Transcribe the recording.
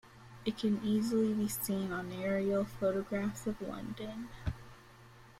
It can easily be seen on aerial photographs of London.